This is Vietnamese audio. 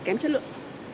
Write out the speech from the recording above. kém chất lượng